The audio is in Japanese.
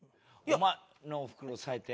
お前のおふくろ最低。